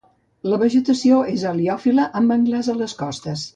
La vegetació és heliòfila amb manglars a les costes.